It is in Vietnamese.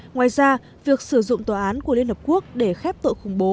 ngoài ra việc sử dụng tòa án của liên hợp quốc để khép tội khủng bố